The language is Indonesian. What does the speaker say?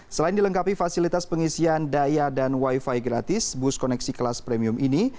selain dilengkapi fasilitas pengisian daya dan wifi gratis bus koneksi kelas premium ini